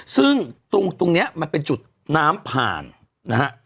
ซึ่งตรงนี้มันเป็นจุดน้ำผ่านนะฮะ